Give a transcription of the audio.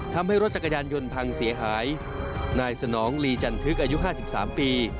ทำให้รถจักรยานยนต์พังเสียหายนายสนองลีจันทึกอายุห้าสิบสามปี